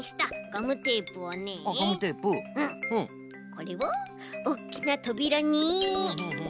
これをおっきなとびらに。